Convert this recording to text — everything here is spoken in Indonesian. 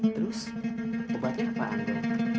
terus obatnya apaan bro